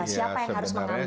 siapa yang harus mengambil